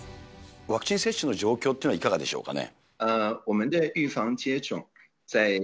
ワクチン接種の状況というのはいかがでしょうかね。